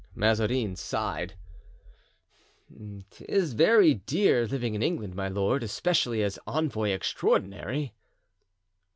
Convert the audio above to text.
Mazarin sighed. "'Tis very dear living in England, my lord, especially as envoy extraordinary."